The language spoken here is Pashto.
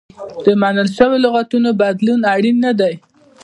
د منل شویو لغتونو بدلول اړین نه دي.